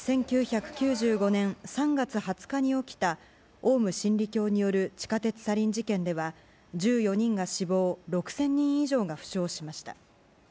１９９５年３月２０日に起きたオウム真理教による地下鉄サリン事件では１４人が死亡６０００人以上が負傷しました。